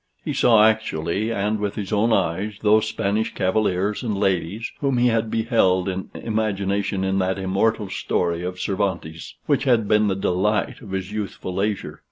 He saw actually, and with his own eyes, those Spanish cavaliers and ladies whom he had beheld in imagination in that immortal story of Cervantes, which had been the delight of his youthful leisure.